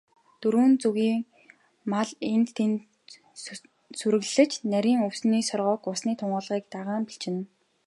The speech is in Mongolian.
Дөрвөн зүйлийн мал энд тэнд сүрэглээд, нарийн өвсний соргог, усны тунгалгийг даган бэлчинэ.